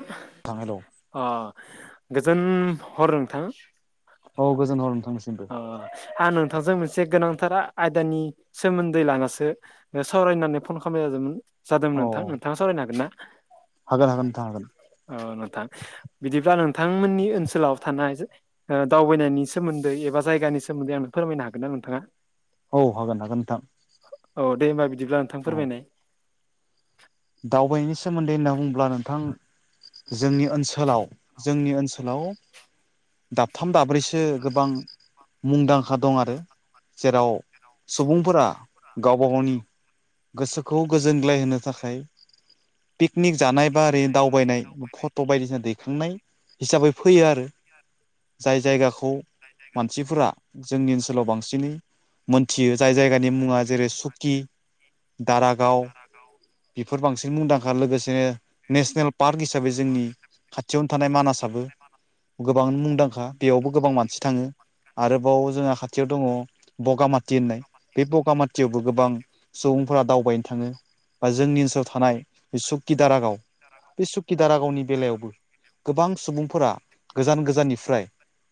[unintelligible] हेल' अ गोजोन हर नोंथां औ गोजोन हरनो थांसिग अ आं नोंथांजों मोनसे गोनांथार आयदानि सोमोन्दै लानासो सावरायनानै फन खालामनाय जादोंमोन जादोंमोन औ नोंथां नोंथाङा सावरायनो हागोन ना हागोन हागोन थानो हागोन औ नोंथा बिदिब्ला नोंथांमोननि ओनसोलाव थानाय दावबायनायनि सोमोन्दै एबा एा जायगानि सोमोन्दै फोरमायनो हागेनना नोंथाङा औ हागोन हागोन नोंथां औ दे होनोमबा बिदिब्ला नोंथां औ फोरमायनाय दावबायनायनि सोमोन्दै होनना बुङोब्ला नोंथां जोंनि ओनसोलाव जोंनि ओनसोलाव दाबथाम दाब्रैसो गोबां मुंदांखा दं आरो जेराव सुबुंफोरा गावबा गावनि गोसोखौ गोजोनग्लाय होनो थाखाय पिकनिक जानाय बा ओरैनो दावबायनाय फट' बायदिसिना दैखांनाय हिसाबै फैयो आरो जाय जायगाखौ मानसिफोरा जोंनि ओनसोलाव बांसिनै मोनथियो जाय जायगानि मुङा जेरै सुकि दारागाव औ बेफोर बांसिन मुंदांखा लोगोसेनो नेसनेल पार्क हिसाबै जोंनि खाथियावनो थानाय मानासाबो गोबां मुंदांखा बेयावबो गोबां मानसि थाङो आरोबाव जोंहा खाथियाव दङ बगामाथि होननाय बे बगामाथियावबो गोबां सुबुंफोरा दावबायनो थाङो बा जोंनि ओनसोलाव थानाय सुकी दारा गाव सुकी दारागावनि बेलायावबो गोबां सुबुंफोरा गोजान गोजाननिफ्राय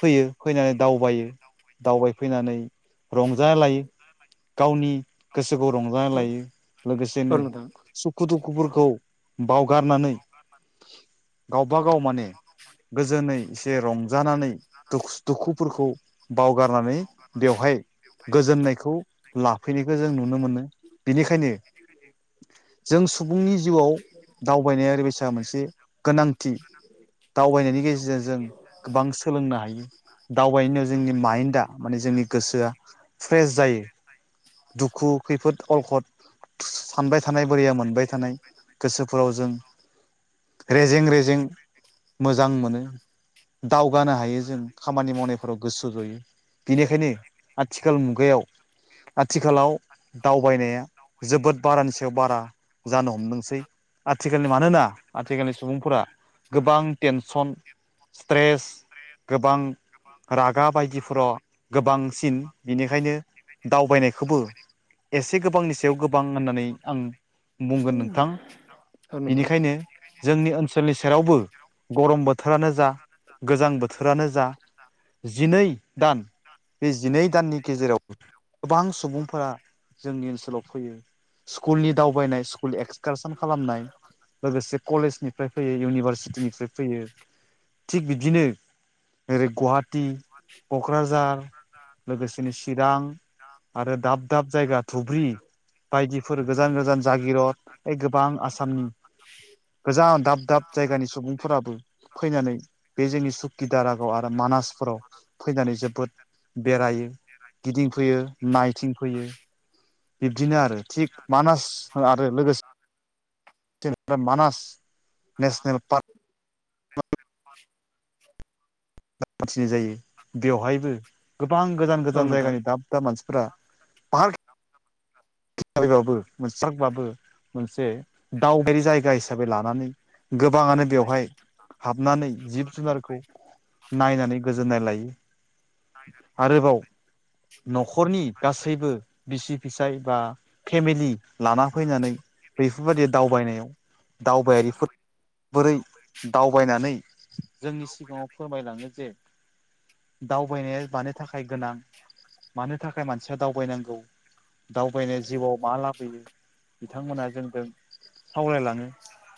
फैयो फैनानै दावबायो दावबायफैनानै रंजा लायो गावनि गोसोखौ रंजा औ लायो औ लोगोसेनो नोंथां सुखु दुखुफोरखौ बावगारनानै गावबागाव माने गोजोनै एसे रंजानानै द दुखुफोरखौ बावगारनानै बेवहाय गोजोननायखौ लाफैनायखौ जों नुनो मोनो बेनिखायनो [inaudible] जों सुबुंनि जिउआव दावबायनाय आरि बेस मोनसे गोनांथि दावबायनायनि गेजेरजों जों गोबां सोलोंनो हायो दावबायनायनिाव जोंनि माइन्डआ माने जोंनि गोसोआ फ्रेस जायो दुखु खैफोद अलखद सानबाय थानाय बोरिबा मोनबाय थानाय गोसोफोराव जों रेजें रेजें मोजां मोनो दावगानो हायो जों खामानि मावनायफोराव गोसो जयो बेनिखायनो आथिखाल मुगायाव आथिखालाव दावबायनाया जोबोद बारानि सायाव बारा जानो हमदोंसै आथिखालनि मानोना आथिखालनि सुबुंफोरा गोबां टेनसन स्ट्रेस गोबां रागा बायदिफोराव गोबांसिन बेनिखायनो दावबायनायखौबो एसे गोबांनि सायाव गोबां होननानै आं बुंगोन नोंथां औ नोंथां बेनिखायनो जोंनि ओनसोलनि सेरावबो गरम बोथोरानो जा गोजां बोथोरानो जा जिनै दान बे जिनै दाननि गेजेराव गोबां सुबुंफोरा जोंनि ओनसोलाव फैयो स्कुलनि दावबायनाय स्कुल एक्सकारसन खालामनाय लोगोसे कलेजनि निफ्राय फैयो इउनिभारसिटिनिफ्राय फैयो थिग बिदिनो ओरै गुवाहाट टि क'क्राझार लोगोसेनो चिरां आरो दाब दाब जायगा धुब्रि बायदिफोर गोजान गोजान जागिरद बे गोबां आसामनि गोजान दाब दाब जायगानि सुबुंफोराबो फैनानै बे जोंनि सुक्कि दारागाव आरो मानासफोराव फैनानै जोबोद बेरायो गिदिंफैयो नायथिं फैयो बिदिनो आरो थिग मानास आरो लोगोसे ज मानास नेसनेल पार्क [unintelligible] मोनथिनाय जायो बेवहायबो गोबां गोजान औ गोजान नोंथां जायगानि दाब दाब मानसिफ्रा पाह बाबो मोनसांबाबो मोनसे दावगारि जायगा हिसाबै लानानै गोबाङानो बेवहाय हाबनानै जिब जुनारखौ नायनानै गोजोननाय लायो आरोबाव न'खरनि गासैबो बिसि फिसाय बा फेमिलि लाना फैनानै बेफोरबायदि दावबायनायाव दावबायारिफोर बोरै दावबायनानै जोंनि सिगाङाव फोरमायलाङो जे दावबायनाय मानो थाखाय गोनां मानो थाखाय मानसिया दावबायनांगौ दावबाय जिउआव मा लाबोयो बिथांमोना जोंजों सावरायलाङो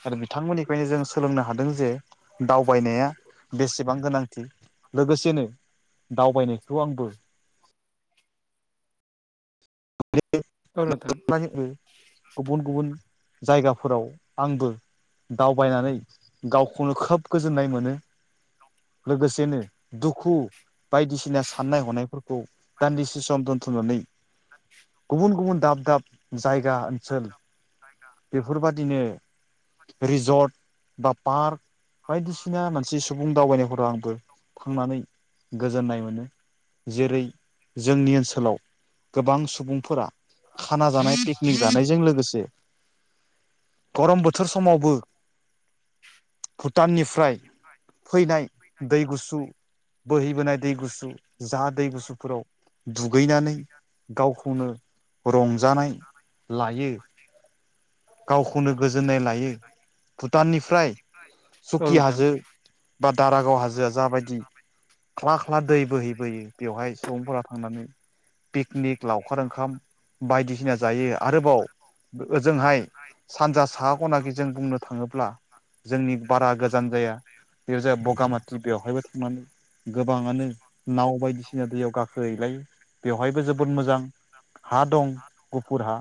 आरो बिथांमोननिफ्रायनो जों सोलोंनो हादों जे दावबायनाया बेसेबां गोनांथि लोगोसेनो दावबायनायखौ आंबो औ [unintelligible] नोंथां गुबुन-गुबुन जायगाफोराव आंबो दावबायनानै गावखौनो खोब गोजोननाय मोनो। लोगोसेनो दुखु बायदिसिना साननाय-हनायफोरखौ दान्दिसे सम दोनथ'नानै गुबुन गुबुन दाब दाब जायगा ओनसोल बेफोरबादिनो रेजर्ट बा पार्क बायदिसिना मोनसे सुबुं दावबायनायफोराव आंबो थांनानै गोजोननाय मोनो जेरै जोंनि ओनसोलाव गोबां सुबुंफोरा खाना जानाय पिकनिक जानायजों लोगोसे गरम बोथोर समावबो भुटाननिफ्राय फैनाय दै गुसु बोहैबोनाय दै गु गुुसु जा दै गुसुफोराव दुगैनानै गावखौ नो रंजानाय लायो। गावखौनो गोजोननाय लायो। भुटाननिफ्राय औ सुकि नोंथां हाजो बा दारागाव हाजोआ जाबादि क्लाक ख्ला दै बोहैबोयो बेवहाय सुबुंफोरा थांनानै पिकनिक लावखार ओंखाम बायदिसिना जायो आरोबाव ओजोंहाय सानजा साहा ख'नाखि जों बुंनो थाङोब्ला जोंनि बारा गोजान जाया बे जाय ब'गामाथि बेवहायबो थांनानै गोबाङानो नाव बायदिसिना दैयाव गाखोहैलायो बेवहायबो जोबोद मोजां हा दं गुफुर हा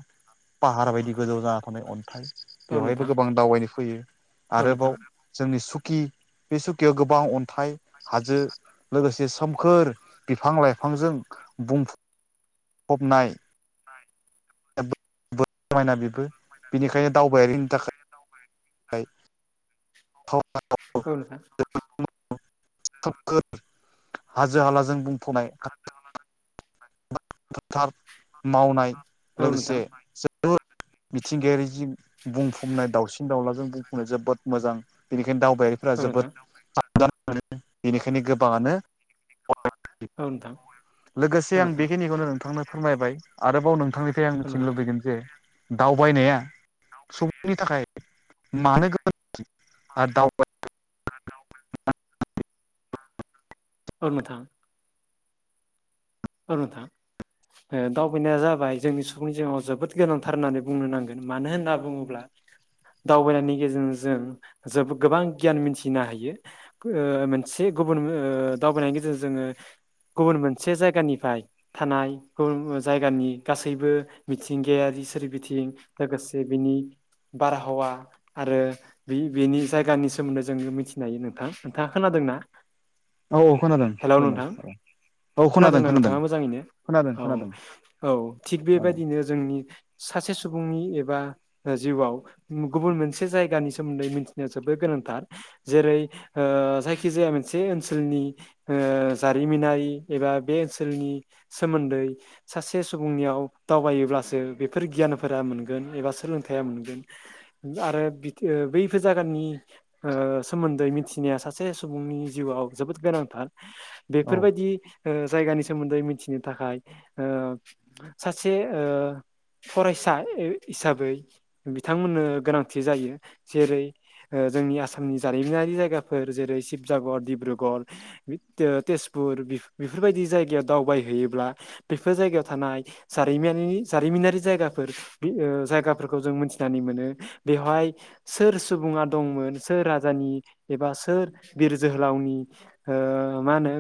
पाहार बायदि गोजौ जाना थानाय अन्थाइ औ नोंथां बेवहायबो गोबां दावबायनो फैयो। औ आरोबाव नोंथां जोंनि सुकि बे सुकियाव गोबां अन्थाइ हाजो लोगोसे सोमखोर बिफां-लाइफांजों बुंफु फबनाय नाय समायना बिबो बिनिखायनो दावबायारिनि थाखाय [unintelligible] [unintelligible] [unintelligible] सोमखोर हाजो-हालाजों बुंफ'नाय हांखो-हालाजों थार मावनाय औ लोगोसे नोंथां जों मिथिंगायारि जि बुंफबनाय दाउसिन-दाउलाजों बुंफुंनाय जोबोद मोजां बेनिखायनो दावबायारिफोरा औ नोंथां औ जोबोद नोंथां आदान मोनो बेनिखायनो गोबाङानो ओ नोथां ओ नोंथां खौनो नोंथांनो फोरमायबाय आरोबाव नोंथांनिफ्राय आं औ मिथिनो लुबैगोन जे नोंथां दावबायनाया सुबुंनि थाखाय मानो गोनां आर दावबाय [unintelligible] औ नोंथां। ओ नोंथां। ओ दावबायनाया जाबाय जोंनि सुबुंनि जिउआव जोबोद गोनांथार होननानै बुंनो नांगोन। मानो होनना बुङोब्ला दावबायनायनि गेजेरजों जों जोबो गोबां गियान मिथिनो हायो। ओ मोनसे गुबुन ओ दावबायनायनि गेजेरजों जोङो गुबुन मोनसे जाय गानिफाय थानाय गुबुन उन जायगानि गासैबो मिथिंगायारि सोरबिथिं लोगोसे बिनि बारहावा आरो बि बेनि जायगानि सोमोन्दै जोंङो मिथिनो हायो नोंथां। नोंथाङा खोनादोंना? औ औ खोनादों हेलौ खोनादों नोंथां औ। खोनादों खोनादोंना नोंथाङा खोनादों मोजाङैनो? खोनादों औ खोनादों औ थिग खोनादों बेबायदिनो जोंनि सासे सुबुंनि एबा जिउआव गुबुन मोनसे जायगानि सोमोन्दै मिथिनाया जोबोद गोनांथार जेरै ओ जायखिजाया मोनसे ओनसोलनि ़ जारिमिनारि एबा बे ओनसोलनि सोमोन्दै सासे सुबुंनियाव दावबायोब्लासो बेफोर गियानफोरा मोनगोन एबा सोलोंथाइया मोनगोन। आरो बि-बैफोर जायागानि ओ सोमोन्दै मिथिनाया सासे सुबुंनि जिउआव जोबोद गोनांथार। औ बेफोरबायदि ओ जायगानि सोमोन्दै मिथिनो थाखाय ओ सासे ओ फरायसा हिसाबै बिथांमोननो गोनांथि जायो जेरै जोंनि आसामनि जारिमिनारि जायगाफोर जेरै शिबजागर, डिब्रुगर तेजपुर बे-बेफोरबायदि जायगायाव दावबायहैयोब्ला बेफोर जायगायाव थानाय जारिमिनारि -जारिमिनारि जायगाफोर ओ जायगाफोरखौ जों मिथिनानै मोनो। बेवहाय सोर सुबुङा दंमोन सोर राजानि एबा सोर बिर जोहोलावनि ओ मा होनो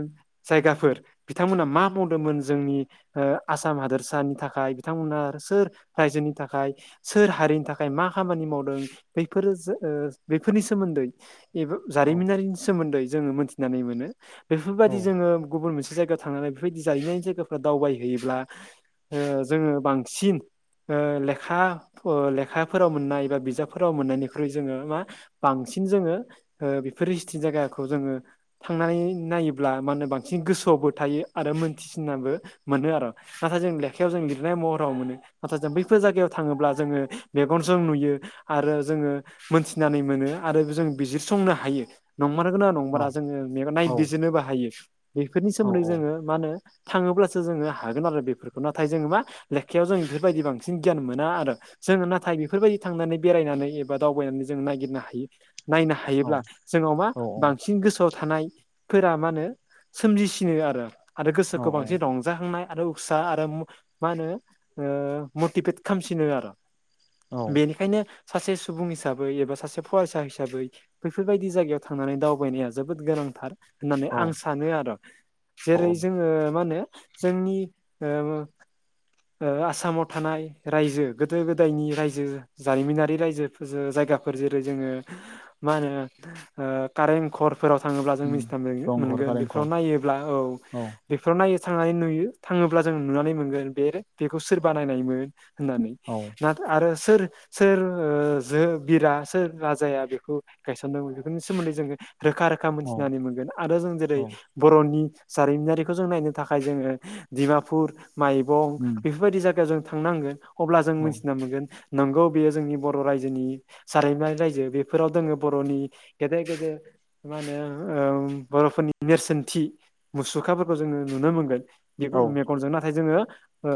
जायगाफोर बिथांमोना मा मावदोंमोन जोंनि ओ आसाम हादोरसानि थाखाय बिथांमोना आरो सोर रायजोनि थाखाय सोर हारिनि थाखाय मा खामानि मावदों बेफोरो बेफोरनि सोमोन्दै एबा औ जारिमिनारिनि सोमोन्दै जोङो मोनथिनानै मोनो। बेफोरबायदि औ जोङो गुबुन मोनसे जायगायाव थांनानै बेफोरबायदि जाहैनायनि जायगाफ्रा दावबायहैयोब्ला ओ जोङो बांसिन ओ लेखा- लेखाफोराव मोननाय बा बिजाबफोराव मोननायनिख्रुइ जोङो मा बांसिन जोङो बेफोर हिस्ट्रि जायगाखौ जोङो थांनानै नायोब्ला मा होनो बांसिन गोसोआवबो थायो आरो मोनथिसिनाबो मोनो आरो। नाथाय जों लेखायाव जों लिरनाय महराव मोनो। नाथाय जों बैफोर जायगायाव थाङोब्ला जोङो मेगनजों नुयो। आरो जोङो मोनथिनानै मोनो आरो जों बिजिरसंनो हायो नंमारगौना नंमारा औ जोङो औ नायबिजिरनोबो हायो। बेफोरनि औ सोमोन्दै जोङो मा होनो थाङोब्लासो जोङो हागोन आरो बेफोरखौ नाथाय जोङो मा लेखायाव जों बेफोरबायदि बांसिन गियान मोना आरो। जोङो नाथाय बेफोरबायदि थांनानै बेरायनानै एबा दावबायनानै जों नागिरनो हायो। नायनो औ हायोब्ला जोंनाव मा औ बांसिन गोसोआव थानायफोरा मा होनो सोमजिसिनो आरो आरो गोसोखौ बांसिन रंजाहोनाय आरो उत्सा आरो मा होनो मटिभेट खालामामसिनो आरो। औ बेनिखायनो सासे सुबुं हिसाबै एबा सासे फरायसा हिसाबै बैफोरबायदि जायगायाव थांनानै दावबायनाया जोबोद गोनांथार। होननानै औ आं सानो आरो औ जेरै जोङो मा होनो जोंनि ओ आसामाव थानाय रायजो गोदो -गोदायनि रायजो जारिमिनारि रायजोफोर जायगाफोर जेरै जोङो मा होनो कारेेंखर [unintelligible] थाङोब्ला जों मिथिना दंहर मोनगोन बेफोराव कारेंघर नायोब्ला औ उम दंखर कारेंखर बेफोराव नायै थांनानै नुयो थाङोब्ला जों नुनानै मोनगोन बे बेखौ सोरबा नायनायमोन होननानै। औ। ना आरो सोर- सोर जो- बिरा सोर राजाया बेखौ गायसनदों बेफोरनि सोमोन्दै जोङो रोखा- रोखा औ मोनथिनानै मोनगोन आरो जों जेरै औ बर'नि जारिमिनारिखौ जों नायनो थाखाय जोङो डिमापुर, माइबं उम बेफोरबायदि जायगायाव जों थांनांगोन अब्ला जों औ मिथिना मोनगोन नोंगौ बेयो जोंनि बर' रायजोनि जारिमिनारि रायजो बेफोराव जोङो बर'नि गेदेर- गेदेर मा होनो बर'फोरनि नेरसोनथि मुसुखाफोरखौ जोङो नुनो मोनगोन। औ मेगनजों नाथाय जोङो ओ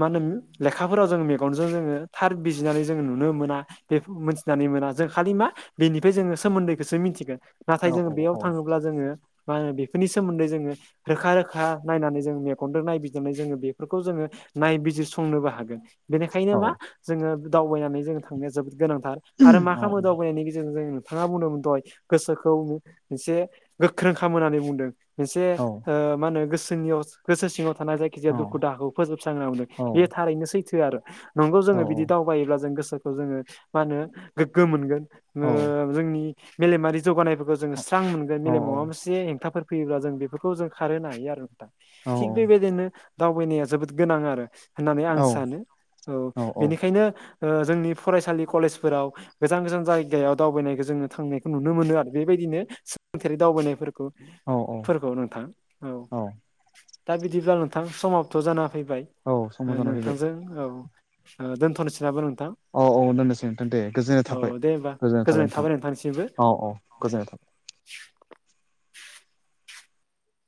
मा होनो लेखाफोराव जों मेगनजों जोङो थार बिजिरनानै जोङो नुनो मोना। बेफो मिथिनानै मोना जों खालि मा बेनिफ्राय जोङो सोमोन्दैखौसो मिथिगोन। नाथाय औ जोङो बेयाव औ थाङोब्ला जोङो मा होनो बेफोरनि सोमोन्दै जोङो रोखा रोखा नायनानै जों मेगनजों नायबिजिरनानै जोङो बे फोरखौ जोङो नायबिजिरसंनोबो हागोन बेनिखायनो औ मा जोङो दावबायनानै जोङो थांनाया जोबोद गोनांथार आरो मा खालामो दावबायनायनि गेजेरजों जों नोंथाङा बुंदोंमोन दहय गोसोखौ मोनसे गोख्रों खाम होननानै बुंदों। मोनसे ओ मा होनो गोसोनियाव गोसो सिङाव थानाय जायखि जाया दुखु [unintelligible] फोजोबस्रांदों बे थारैनो सैथो आरो नंगौ जोङो बिदि दावबायोब्ला जों गोसो [unintelligible] जोङो मा होनो गोग्गो मोनगोन जोंनि मेलेमारि जौगानायफोरखौ जोङो स्रां मोनगोन। औ मेलेमाव माबा मोनसे हेंथाफोर फैयोब्ला जों बेफोरखौ जों खारहो हायो आरो नोंथां। थिग बेबायदिनो दावबायनाया जोबोद गोनां आरो होननानै आं सानो। औ बेनिखायनो ओ जोंनि फरायसालि कलेजफोराव गोजान गोजान जायगायाव दावबायनायखौ जोंङो थांनायखौ नुनो मोनो आरो बेबायदिनो सोलोंथायारि दावबायनायफोर खौ औ फोरखौ नोंथां औ दा बिदिब्ला थां समावथ' जाना फैबाय औ समा ओ जाना फैबाय नोंथांजों औ ओ दोनथ'नोसै नामा नोंथां? औ औ दोननोसै नोंथां दे गोजोननाय औ थाबाय दे होमबा गोजोननाय थाबाय नोंथां नोंथांनिसिमबो औ औ दे गोजोननाय थाबाय।